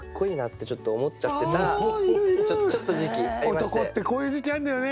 男ってこういう時期あるんだよね。